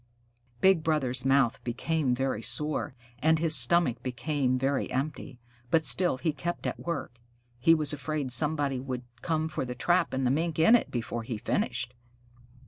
Big Brother's mouth became very sore, and his stomach became very empty, but still he kept at work. He was afraid somebody would come for the trap and the Mink in it, before he finished.